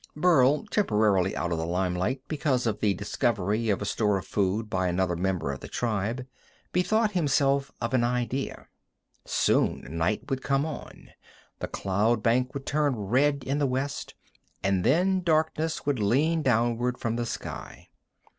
Burl, temporarily out of the limelight because of the discovery of a store of food by another member of the tribe, bethought himself of an idea. Soon night would come on, the cloud bank would turn red in the west, and then darkness would lean downward from the sky.